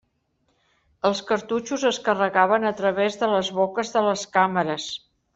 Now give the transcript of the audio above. Els cartutxos es carregaven a través de les boques de les càmeres.